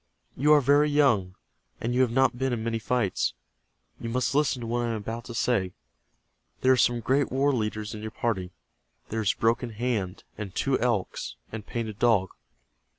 "You are very young, and you have not been in many fights. You must listen to what I am about to say. There are some great war leaders in your party. There is Broken Hand, and Two Elks, and Painted Dog.